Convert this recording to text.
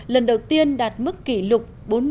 lần đầu tiên đạt mức kỷ lục